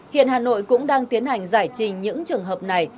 hiện hà nội cũng đang tiến hành giải trình những trường hợp này